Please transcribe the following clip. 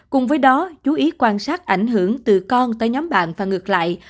cùng với đó chú ý quan sát ảnh hưởng từ con tới nhóm bạn và ngược lại